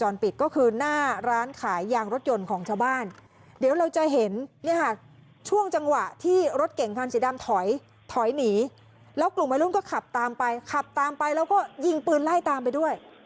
รถเก่งคันสีดำถอยถอยหนีแล้วกลุ่มวัยรุ่นก็ขับตามไปขับตามไปแล้วก็ยิงปืนไล่ตามไปด้วย